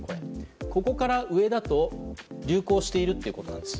ここから上だと流行しているということです。